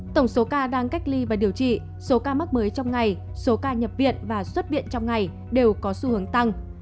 tổng số ca đang cách ly và điều trị số ca mắc mới trong ngày số ca nhập viện và xuất viện trong ngày đều có xu hướng tăng